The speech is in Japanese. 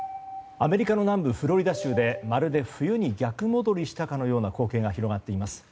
アメリカの南部フロリダ州でまるで冬に逆戻りしたかのような光景が広がっています。